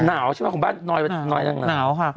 นาวของบ้านน้อยนักหน่วย